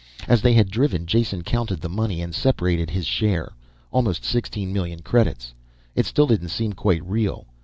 As they had driven, Jason counted the money and separated his share. Almost sixteen million credits. It still didn't seem quite real.